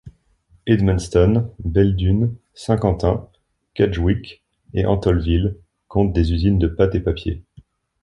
Edmundston, Belledune, Saint-Quentin, Kedgwick et Atholville comptent des usines de pâte et papier.